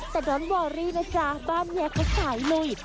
แต่โดนว่ารี่นะจ๊ะบ้านแม่เขาสายเลย